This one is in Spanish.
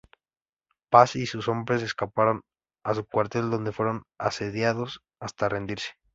Passi y sus hombres escaparon a su cuartel donde fueron asediados hasta rendirse.